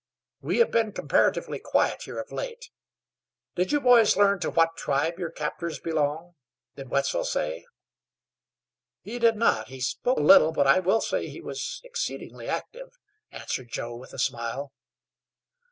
We have been comparatively quiet here of late. Did you boys learn to what tribe your captors belong? Did Wetzel say?" "He did not; he spoke little, but I will say he was exceedingly active," answered Joe, with a smile.